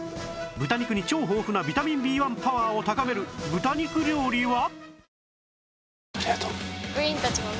豚肉に超豊富なビタミン Ｂ１ パワーを高める豚肉料理は？